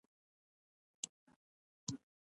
ازادي راډیو د اقلیم په اړه نړیوالې اړیکې تشریح کړي.